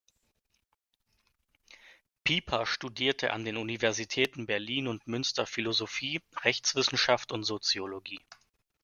Pieper studierte an den Universitäten Berlin und Münster Philosophie, Rechtswissenschaft und Soziologie.